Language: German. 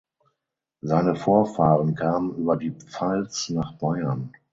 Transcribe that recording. Seine Vorfahren kamen über die Pfalz nach Bayern.